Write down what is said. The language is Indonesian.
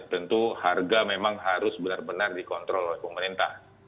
tentu harga memang harus benar benar dikontrol oleh pemerintah